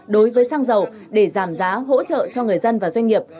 đối với xăng dầu để giảm giá hỗ trợ cho người dân và doanh nghiệp